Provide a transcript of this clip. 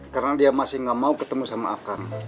karena dia masih gak mau ketemu sama akar